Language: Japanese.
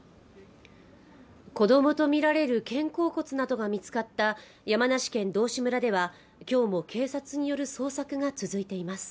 子どもと見られる肩甲骨などが見つかった山梨県道志村ではきょうも警察による捜索が続いています